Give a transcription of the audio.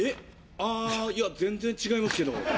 あいや全然違いますけど。